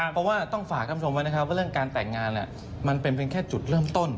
เพราะว่าต้องฝากท่านผู้ชมไว้นะครับว่าเรื่องการแต่งงานมันเป็นแค่จุดเริ่มต้น